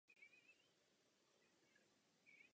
Tuto otázku tedy nadále nelze vyřešit nijak rychle.